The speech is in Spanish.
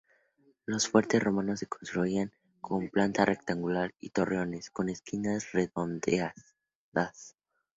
Los fuertes romanos se construían con planta rectangular y torreones con esquinas redondeadas.